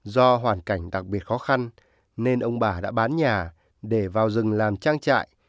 do hoàn cảnh đặc biệt khó khăn nên ông bà đã bán nhà để vào rừng làm trang trại